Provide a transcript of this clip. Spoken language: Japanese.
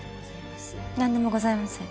なんでもございません。